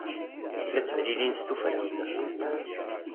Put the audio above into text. La ttemlilin s tuffra.